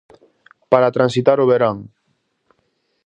Para transitar o verán.